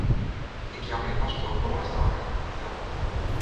Ik jou myn paspoart noait ôf yn in hotel.